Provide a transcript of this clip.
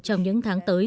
trong những tháng tới